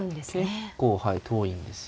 結構遠いんですよね。